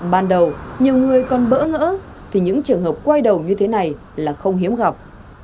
ban đầu nhiều người còn bỡ ngỡ thì những trường hợp quay đầu như thế này là không hiếm gặp